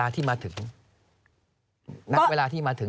ตั้งแต่เวลาที่มาถึง